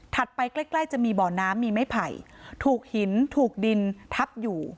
ไปใกล้ใกล้จะมีบ่อน้ำมีไม้ไผ่ถูกหินถูกดินทับอยู่